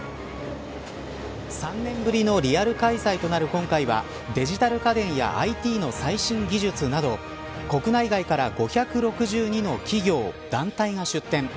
３年ぶりのリアル開催となる今回はデジタル家電やＩＴの最新技術など国内外から５６２の企業、団体が出展。